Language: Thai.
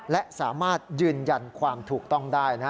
และสามารถยืนยันความถูกต้องได้